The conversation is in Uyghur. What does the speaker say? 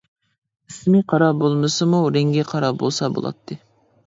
ئىسمى قارا بولمىسىمۇ، رەڭگى قارا بولسا بولاتتى.